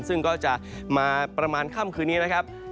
ซึ่งก็จะมาประมาณค่ำคืนนี้นะครับ